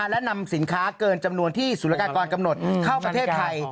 และนำสินค้าเกินจำนวนที่ศูนยากากรกำหนดเข้าประเทศไทย